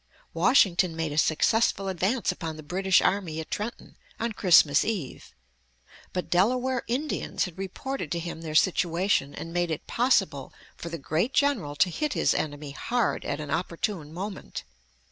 Washington made a successful advance upon the British army at Trenton, on Christmas Eve; but Delaware Indians had reported to him their situation, and made it possible for the great general to hit his enemy hard at an opportune moment.